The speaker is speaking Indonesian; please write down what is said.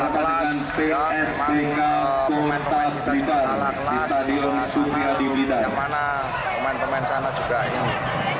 kelas yang mana pemain pemain sana juga ini